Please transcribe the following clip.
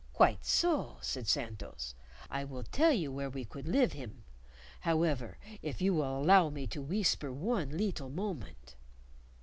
"Quite so," said Santos. "I will tell you where we could live him, however, if you will allow me to wheesper one leetle moment."